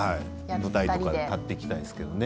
舞台とか立っていたいですけどね